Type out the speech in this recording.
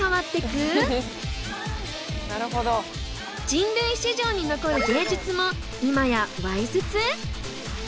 人類史上に残る芸術も今や「わいせつ」？